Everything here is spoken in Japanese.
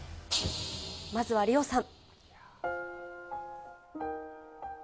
まずはリオさん。